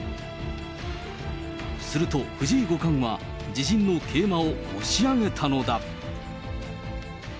すると、藤井五冠は、自陣の桂馬を押し上げたのだ。